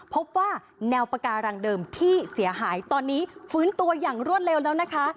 พบว่าแนวปาการังเดิมที่เสียหายตอนนี้ฟื้นตัวอย่างรวดเร็วแล้วนะคะ